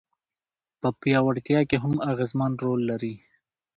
په پياوړتيا کي هم اغېزمن رول لري.